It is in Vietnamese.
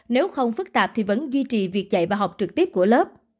nếu không phức tạp thì vẫn duy trì việc dạy và học trực tiếp của lớp